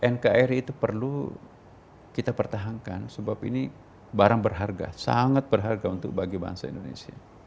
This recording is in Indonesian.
nkri itu perlu kita pertahankan sebab ini barang berharga sangat berharga untuk bagi bangsa indonesia